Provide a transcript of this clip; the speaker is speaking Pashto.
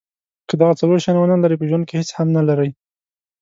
که دغه څلور شیان ونلرئ په ژوند کې هیڅ هم نلرئ.